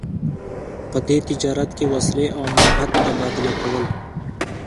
په دې تجارت کې وسلې او مهت تبادله کول.